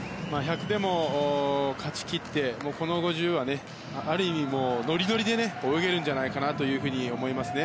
１００でも勝ち切ってこの５０は、ある意味ノリノリで泳げるんじゃないかと思いますね